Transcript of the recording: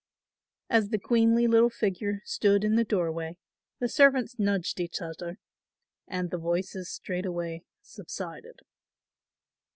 As the queenly little figure stood in the doorway, the servants nudged each other and the voices straightway subsided.